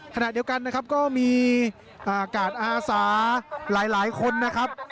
ขณะเดียวกันนะครับก็มีกาดอาสาหลายคนนะครับ